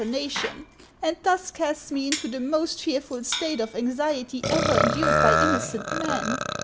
nation, and thus casts me into the most fearful state of anxiety ever endured by innocent man."